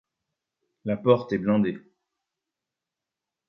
la porte est blindée